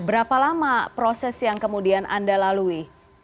berapa lama proses yang kemudian anda lalui